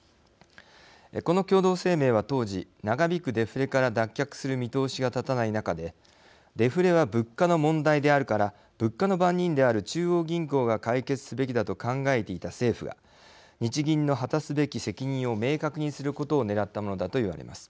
この共同声明は、当時長引くデフレから脱却する見通しが立たない中でデフレは物価の問題であるから物価の番人である中央銀行が解決すべきだと考えていた政府が日銀の果たすべき責任を明確にすることをねらったものだと言われます。